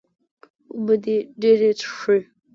اوبۀ دې ډېرې څښي